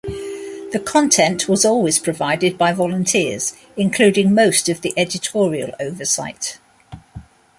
The content was always provided by volunteers, including most of the editorial oversight.